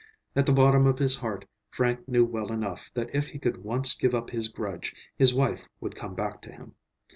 At the bottom of his heart Frank knew well enough that if he could once give up his grudge, his wife would come back to him.